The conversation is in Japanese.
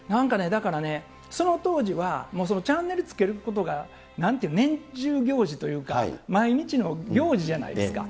だからね、その当時は、もうチャンネルつけることが、なんていうの、年中行事というか、毎日の行事じゃないですか。